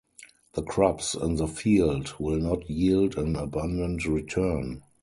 The crops in the field will not yield an abundant return.